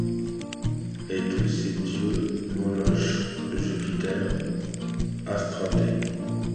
Et tous ces dieux, Moloch, Jupiter, Astarté